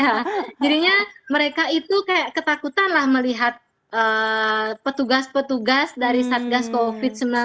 jadinya mereka itu kayak ketakutanlah melihat petugas petugas dari satgas covid sembilan belas